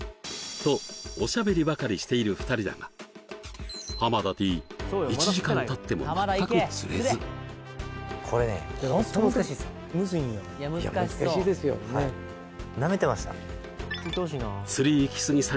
とおしゃべりばかりしている２人だが田Ｄ１時間たっても全く釣れず釣りイキスギさん